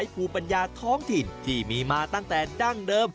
ภูมิปัญญาท้องถิ่นที่มีมาตั้งแต่ดั้งเดิม